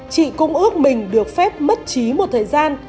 chị cũng ước mình được phép mất trí một thời gian